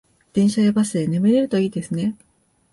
電車やバスで眠れるといいですね